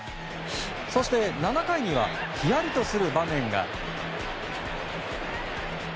そして、７回にはひやりとする場面が。